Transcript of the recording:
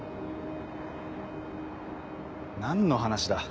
何の話だ？